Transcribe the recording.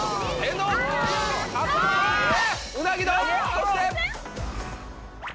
そして。